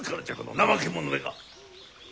怠け者めが。